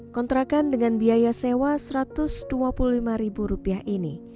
kontrakan dengan biaya sewa satu ratus dua puluh lima ribu rupiah ini